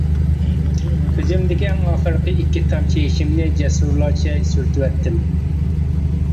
كۆزۈمدىكى ئەڭ ئاخىرقى ئىككى تامچە يېشىمنى جەسۇرلارچە سۈرتۈۋەتتىم.